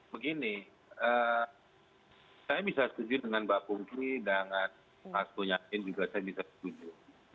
begini saya bisa setuju dengan mbak mungki dan mas boyamin juga saya bisa setuju